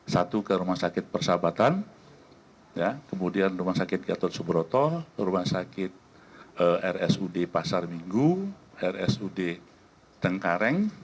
satu ke rumah sakit persahabatan kemudian rumah sakit gatot subroto rumah sakit rsud pasar minggu rsud tengkareng